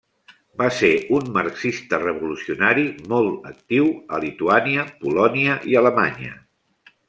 Va ser un marxista revolucionari molt actiu a Lituània, Polònia i Alemanya.